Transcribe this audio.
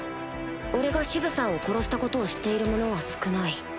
俺がシズさんを殺したことを知っている者は少ない